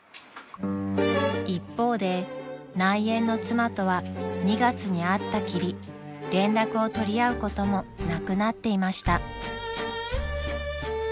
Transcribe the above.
［一方で内縁の妻とは２月に会ったきり連絡を取り合うこともなくなっていました］